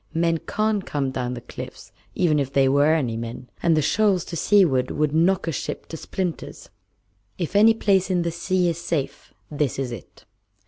Men can't come down the cliffs, even if there were any men; and the shoals to seaward would knock a ship to splinters. If any place in the sea is safe, this is it."